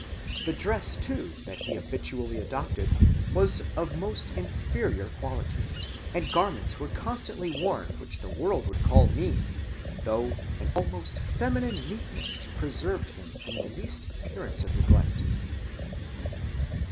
The dress too that he habitually adopted was of most inferior quality; and garments were constantly worn which the world would call mean, though an almost feminine neatness preserved him from the least appearance of neglect."